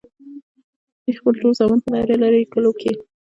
دوي خپل ټول زامن پۀ لرې لرې کلو کښې